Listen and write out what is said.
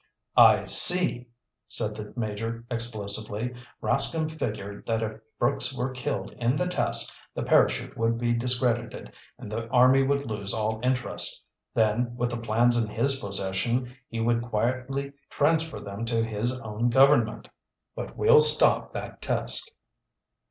"I see!" said the Major explosively. "Rascomb figured that if Brooks were killed in the test, the parachute would be discredited, and the army would lose all interest. Then, with the plans in his possession, he would quietly transfer them to his own government. But we'll stop that test!"